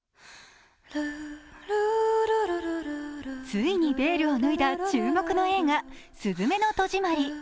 ついにベールを脱いだ注目の映画「すずめの戸締まり」。